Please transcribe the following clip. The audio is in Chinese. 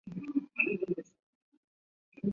短刺筐形蟹为馒头蟹科筐形蟹属的动物。